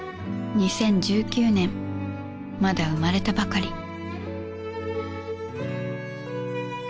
２０１９年まだ生まれたばかり